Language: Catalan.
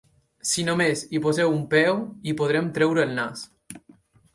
Si només hi poseu un peu, hi podrem treure el nas.